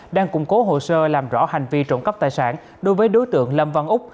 đang củng cố hồ sơ làm rõ hành vi trộm cắp tài sản đối với đối tượng lâm văn úc